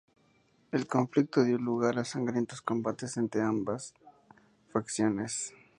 El conflicto dio lugar a sangrientos combates entre ambas facciones.